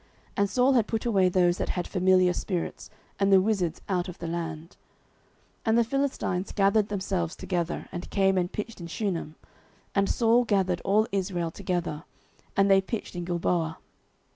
And Saul had put away those that had familiar spirits, and the wizards, out of the land. 09:028:004 And the Philistines gathered themselves together, and came and pitched in Shunem: and Saul gathered all Israel together, and they pitched in Gilboa.